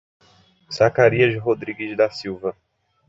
Zacarias Rodrigues da Silva